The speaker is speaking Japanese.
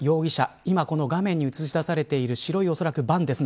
今画面に映し出されている白いバンですね